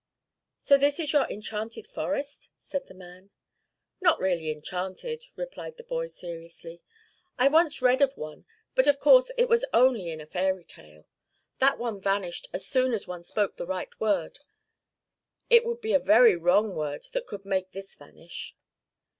'So this is your enchanted forest?' said the man. 'Not really enchanted,' replied the boy seriously. 'I once read of one, but of course it was only in a fairy tale. That one vanished as soon as one spoke the right word. It would be a very wrong word that could make this vanish.'